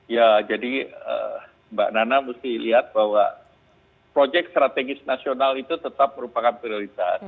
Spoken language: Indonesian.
ya jadi mbak nana mesti lihat bahwa proyek strategis nasional itu tetap merupakan prioritas